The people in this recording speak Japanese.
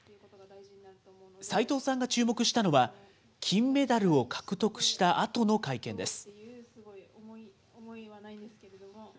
齋藤さんが注目したのは、金メダルを獲得したあとの会見です。